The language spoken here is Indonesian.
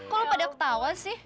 kok lo pada ketawa sih